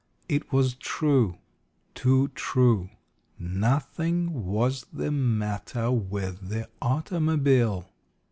It was true, too true, _nothing was the matter with the automobile!